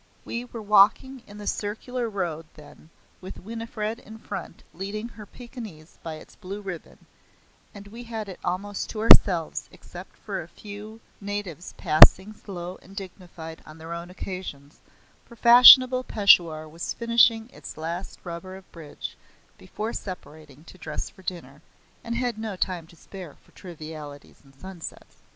We were walking in the Circular Road then with Winifred in front leading her Pekingese by its blue ribbon, and we had it almost to ourselves except for a few natives passing slow and dignified on their own occasions, for fashionable Peshawar was finishing its last rubber of bridge, before separating to dress for dinner, and had no time to spare for trivialities and sunsets.